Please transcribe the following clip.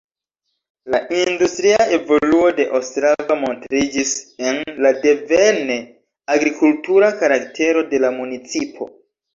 La industria evoluo de Ostrava montriĝis en la devene agrikultura karaktero de la municipo.